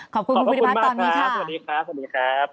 ขอบคุณภูริพัฒน์ตอนนี้ค่ะขอบคุณมากครับสวัสดีครับ